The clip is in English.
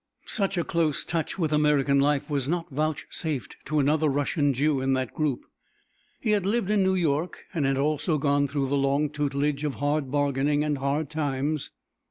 Such a close touch with American life was not vouchsafed to another Russian Jew in that group. He had lived in New York and had also gone through the long tutelage of hard bargaining and hard times.